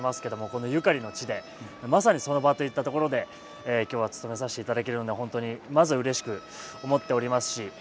このゆかりの地でまさにその場といった所で今日はつとめさせていただけるので本当にまずうれしく思っておりますし。